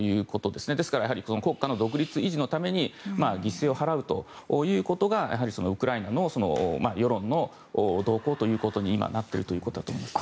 ですから国家の独立維持のために犠牲を払うということがウクライナの世論の動向ということに今、なっているということだと思います。